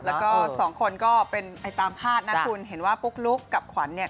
แล้วก็สองคนก็เป็นไปตามคาดนะคุณเห็นว่าปุ๊กลุ๊กกับขวัญเนี่ย